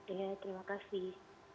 iya terima kasih